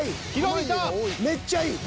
めっちゃいい。